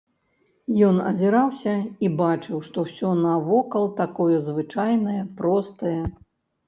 Ён азіраўся і бачыў, што ўсё навокал такое звычайнае, простае.